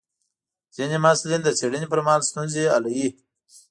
ځینې محصلین د څېړنې پر مهال ستونزې حلوي.